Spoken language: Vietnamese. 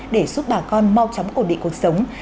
để giúp bà con mau chóng cổ địa cuộc sống